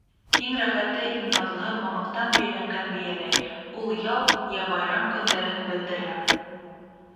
Иң рәхәте, иң наҙлыһы мамыҡтан бәйләнгән бейәләй, ул ял йә байрам көндәрен белдерә.